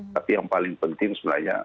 tapi yang paling penting sebenarnya